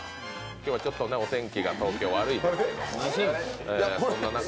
今日はちょっとお天気が東京、悪いですけれども。